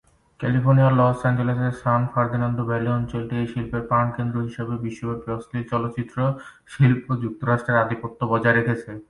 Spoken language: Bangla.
ক্যালিফোর্নিয়ার লস অ্যাঞ্জেলেসের সান ফার্নান্দো ভ্যালি অঞ্চলটি এই শিল্পের প্রাণকেন্দ্র হিসাবে বিশ্বব্যাপী অশ্লীল চলচ্চিত্র শিল্পে যুক্তরাষ্ট্রের আধিপত্য বজায় রেখেছে।